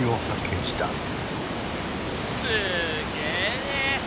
すげえ！